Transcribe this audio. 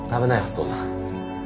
父さん。